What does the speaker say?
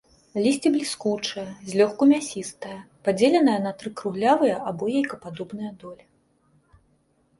Лісце бліскучае, злёгку мясістае, падзеленае на тры круглявыя або яйкападобныя долі.